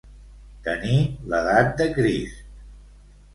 Tenir l'edat de Crist.